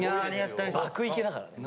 爆イケだからね。